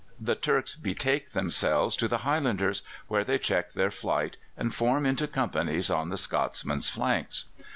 The Turks betake themselves to the Highlanders, where they check their flight, and form into companies on the Scotsmens' flanks.